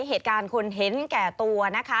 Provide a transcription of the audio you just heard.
เหตุการณ์คนเห็นแก่ตัวนะคะ